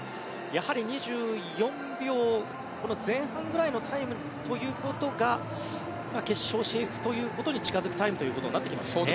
やはり２４秒前半ぐらいのタイムということが決勝進出ということに近づくタイムになってきますね。